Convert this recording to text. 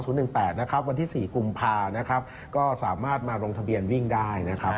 วันที่๔กุมภานะครับก็สามารถมาลงทะเบียนวิ่งได้นะครับ